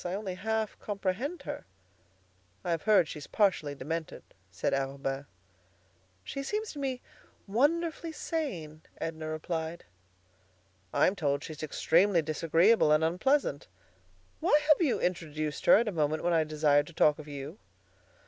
I only half comprehend her." "I've heard she's partially demented," said Arobin. "She seems to me wonderfully sane," Edna replied. "I'm told she's extremely disagreeable and unpleasant. Why have you introduced her at a moment when I desired to talk of you?"